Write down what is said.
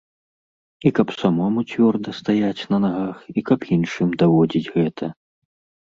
І каб самому цвёрда стаяць на нагах, і каб іншым даводзіць гэта.